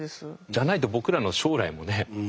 じゃないと僕らの将来もね